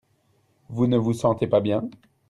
Vous ne vous sentez pas bien ?